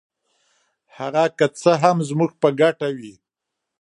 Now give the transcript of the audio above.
هغه که څه هم زموږ په ګټه وي.